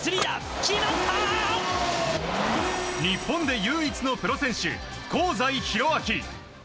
日本で唯一のプロ選手香西宏昭。